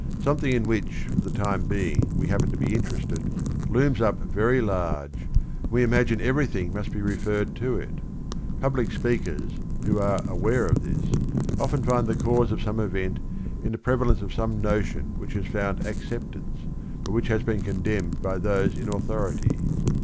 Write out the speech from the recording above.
Something in which for the time being we happen to be interested looms up very large, and we imagine everything must be referred to it. Public speakers, who are aware of this, often find the cause of some event in the prevalence of some notion which has found acceptance, but which has been condemned by those in authority.